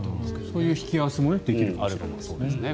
そういう引き合わせもできるかもしれないですね。